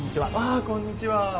あこんにちは。